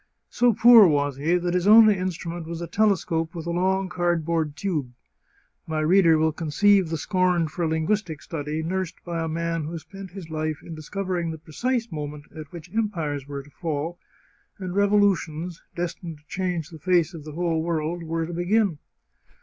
So poor was he that his only instrument was a telescope with a long card board tube. My reader will conceive the scorn for lin guistic study nursed by a man who spent his life in discov ering the precise moment at which empires were to fall, and revolutions, destined to change the face of the whole world, were to begin.